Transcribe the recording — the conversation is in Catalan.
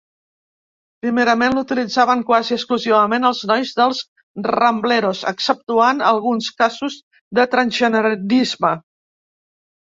Primerament, l'utilitzaven quasi exclusivament els nois dels Rambleros, exceptuant alguns casos de transgenerisme.